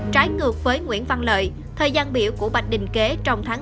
trái ngược với nguyễn văn lợi thời gian biểu của bạch đình kế trong tháng bốn không có biến động